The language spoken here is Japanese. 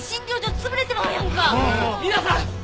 皆さん！